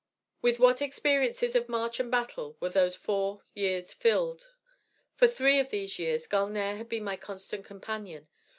With what experiences of march and battle were those four years filled! For three of these years Gulnare had been my constant companion.